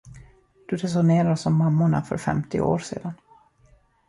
Du resonerar som mammorna för femtio år sen.